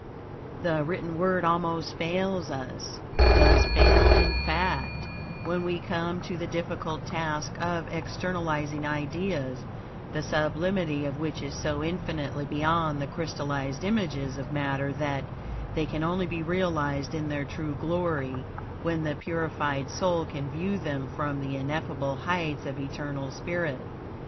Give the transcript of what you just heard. The written word almost fails us does fail in fact, when we come to the difficult task of externalizing ideas, the sublimity of which is so infinitely beyond the crystallized images of matter that, they can only be realized in their true glory, when the purified soul can view them from the ineffable heights of eternal spirit.